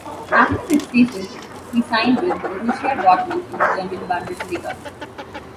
After that season, he signed with Borussia Dortmund in the German Bundesliga.